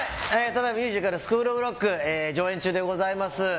ミュージカル「スクールオブロック」上演中でございます。